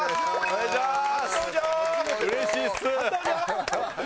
お願いしまーす！